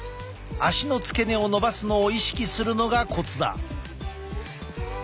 足の付け根を伸ばすのを意識するのがコツだ。